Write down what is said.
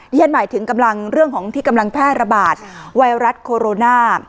เยี่ยมหมายถึงเรื่องที่กำลังแพร่ระบาดไวรัสโคโรนา